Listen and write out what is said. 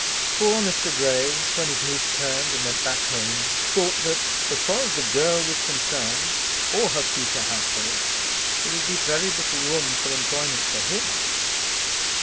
Poor Mr. Grey, when his niece turned and went back home, thought that, as far as the girl was concerned, or her future household, there would be very little room for employment for him.